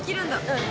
うん。